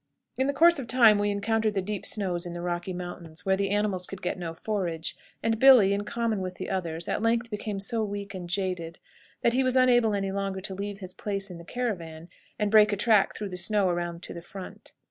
In the course of time we encountered the deep snows in the Rocky Mountains, where the animals could get no forage, and Billy, in common with the others, at length became so weak and jaded that he was unable any longer to leave his place in the caravan and break a track through the snow around to the front.